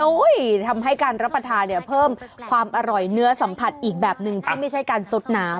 ทำให้การรับประทานเนี่ยเพิ่มความอร่อยเนื้อสัมผัสอีกแบบหนึ่งที่ไม่ใช่การซดน้ำ